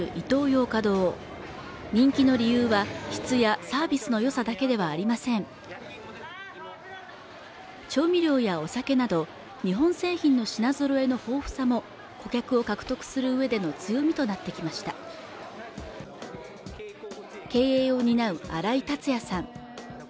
ヨーカドー人気の理由は質やサービスの良さだけではありません調味料やお酒など日本製品の品ぞろえの豊富さも顧客を獲得する上での強みとなってきました経営を担う荒井達也さん